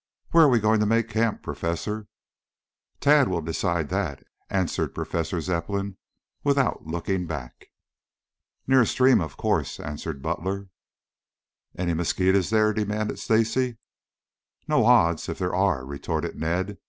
"Where are we going to make camp, Professor?" "Tad will decide that," answered Professor Zepplin without looking back. "Near a stream, of course," answered Butler. "Any mosquitoes there?" demanded Stacy. "No odds, if there are," retorted Ned.